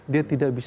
dia tidak bisa